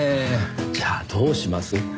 じゃあどうします？